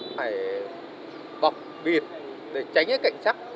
phải bọc biệt để tránh cái cạnh chắc